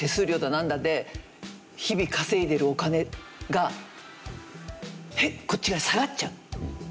なんだで日々稼いでるお金がこっちが下がっちゃう。